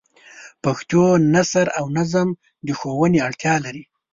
د پښتو نثر او نظم د ښوونې اړتیا لري.